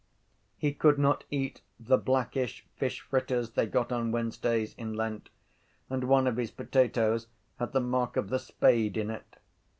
He could not eat the blackish fish fritters they got on Wednesdays in Lent and one of his potatoes had the mark of the spade in it.